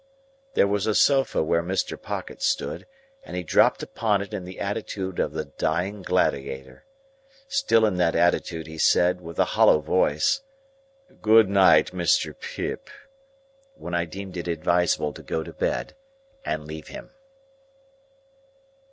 There was a sofa where Mr. Pocket stood, and he dropped upon it in the attitude of the Dying Gladiator. Still in that attitude he said, with a hollow voice, "Good night, Mr. Pip," when I deemed it advisable to go to bed and leave him.